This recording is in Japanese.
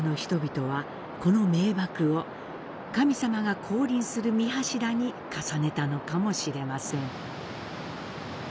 神様が降臨する御柱に重ねたのかもしれません。